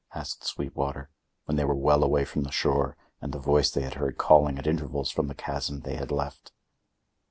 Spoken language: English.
asked Sweetwater, when they were well away from the shore and the voice they had heard calling at intervals from the chasm they had left.